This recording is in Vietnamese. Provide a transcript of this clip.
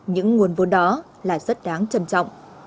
những nguồn vốn đó là rất đáng trân trọng